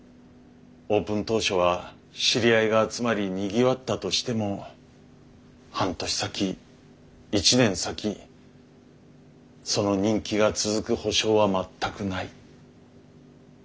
オープン当初は知り合いが集まりにぎわったとしても半年先１年先その人気が続く保証は全くない。